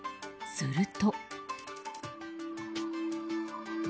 すると。